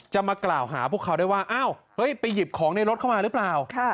จะมากล่าวหาพวกเขาได้ว่าอ้าวเฮ้ยไปหยิบของในรถเข้ามาหรือเปล่า